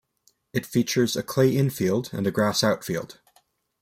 It features a clay infield and a grass outfield.